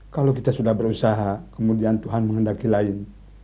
kalau kita sudah berusaha kemudian tuhan menghendaki lain